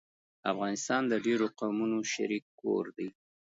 افغانستان د ډېرو قومونو شريک کور دی